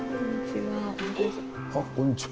あこんにちは。